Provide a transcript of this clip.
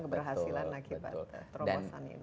keberhasilan akibat terobosan ini